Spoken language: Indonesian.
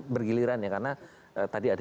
bergiliran karena tadi ada